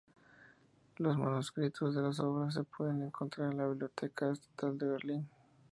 Los manuscritos de las obras se pueden encontrar en la Biblioteca Estatal de Berlín.